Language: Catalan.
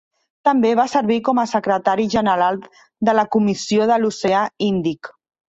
També va servir com a secretari general de la Comissió de l'Oceà Índic.